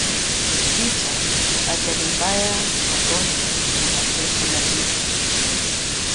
vita ajali mbaya magonjwa na mateso mazito